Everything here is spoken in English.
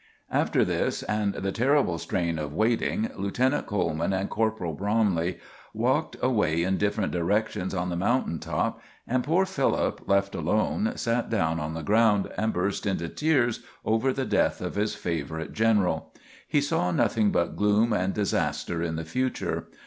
After this, and the terrible strain of waiting, Lieutenant Coleman and Corporal Bromley walked away in different directions on the mountain top; and poor Philip, left alone, sat down on the ground and burst into tears over the death of his favorite general. He saw nothing but gloom and disaster in the future.